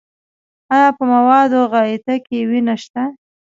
ایا په موادو غایطه کې وینه شته؟